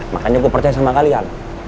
makanya aku percaya sama kalian